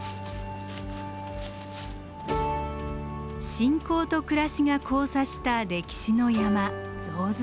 信仰と暮らしが交差した歴史の山象頭山。